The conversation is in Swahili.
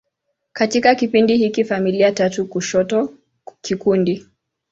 Katika kipindi hiki, familia tatu kushoto kikundi.